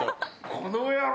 この野郎！